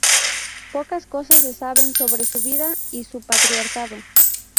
Pocas cosas se saben sobre su vida y su patriarcado.